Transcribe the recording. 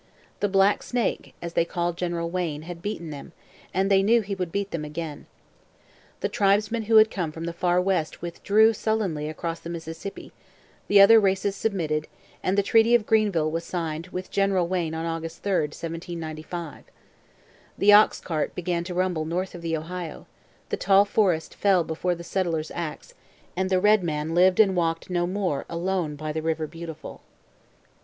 The Black Snake, as they called General Wayne, had beaten them, and they knew he would beat them again. The tribesmen who had come from the far west withdrew sullenly across the Mississippi, the other races submitted, and the Treaty of Greenville was signed with General Wayne on August 3, 1795. The ox cart began to rumble north of the Ohio; the tall forests fell before the settler's axe, and the red man lived and walked no more alone by the 'River Beautiful.'